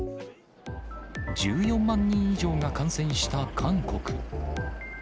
１４万人以上が感染した韓国。